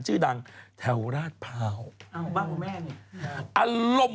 จากกระแสของละครกรุเปสันนิวาสนะฮะ